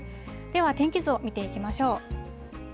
では天気図を見ていきましょう。